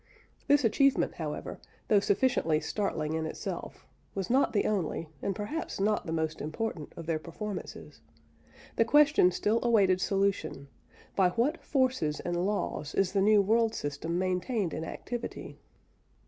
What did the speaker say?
This achievement, however, though sufficiently startling in itself, was not the only, and perhaps not the most important, of their performances. The question still awaited solution: _By what forces and laws is the new world system maintained in activity?